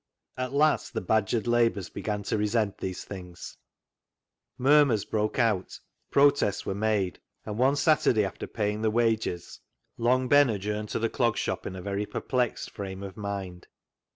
At last the badgered labourers began to resent these things. Murmurs broke out, protests were made, and one Saturday, after paying the wages, Long Ben adjourned to 23 354 CLOG SHOP CHRONICLES the Clog Shop in a very perplexed frame of mind.